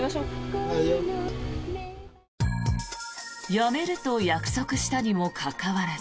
やめると約束したにもかかわらず。